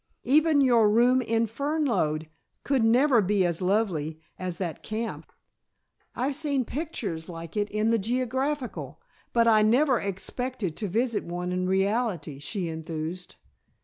Even your room in Fernlode could never be as lovely as that camp. I've seen pictures like it in the Geographical, but I never expected to visit one in reality," she enthused.